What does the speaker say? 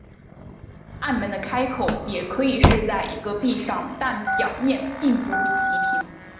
暗门的开口也可以是在一个壁上但表面并不齐平。